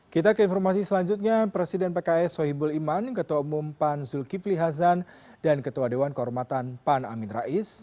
kita ke informasi selanjutnya presiden pks sohibul iman ketua umum pan zulkifli hasan dan ketua dewan kehormatan pan amin rais